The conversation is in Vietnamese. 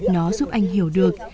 nó giúp anh hiểu được